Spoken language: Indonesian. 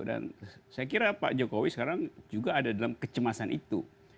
dan saya kira pak jokowi sekarang juga ada dalam kecemasan itu